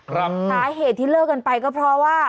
สาเหตุที่เลิกกันไปก็เพราะว่า